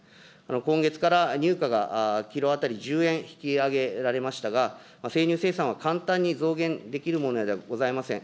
今月から入荷がキロ当たり１０円引き上げられましたが、生乳生産は簡単に増減できるものではございません。